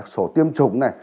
sổ tiêm chủng này